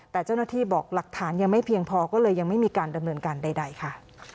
แต่เจ้าหน้าที่บอกหลักฐานยังไม่เพียงพอก็เลยยังไม่มีการดำเนินการใดค่ะ